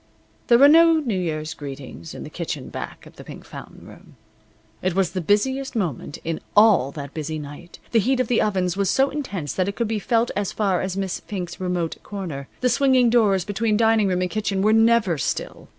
There were no New Year's greetings in the kitchen back of the Pink Fountain Room. It was the busiest moment in all that busy night. The heat of the ovens was so intense that it could be felt as far as Miss Fink's remote corner. The swinging doors between dining room and kitchen were never still.